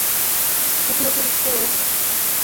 তবে অতিথি আবির্ভাব হিসেবে সিরিজে তিনি ফিরে আসেন।